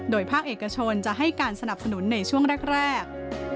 โดยภาคเอกชนจะให้การสนับสนุนในช่วงแรก